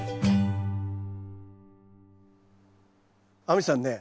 亜美さんね